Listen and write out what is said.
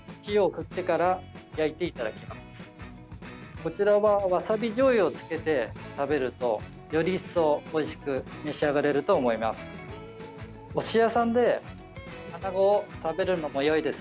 こちらはわさびじょうゆをつけて食べるとより一層おいしく召し上がれると思います。